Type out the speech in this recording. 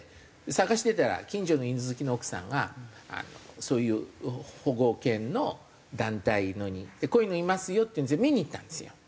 探してたら近所の犬好きの奥さんがそういう保護犬の団体に「こういうのいますよ」っていうんで見に行ったんですよ。